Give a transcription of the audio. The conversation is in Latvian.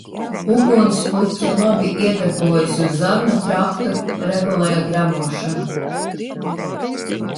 Ugunspuķe labi iedarbojas uz zarnu traktu, regulē gremošanu.